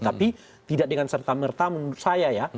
tapi tidak dengan serta merta menurut saya ya